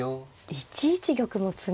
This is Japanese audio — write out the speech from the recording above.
１一玉も詰みそう。